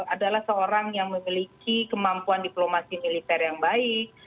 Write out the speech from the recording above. adalah seorang yang memiliki kemampuan diplomasi militer yang baik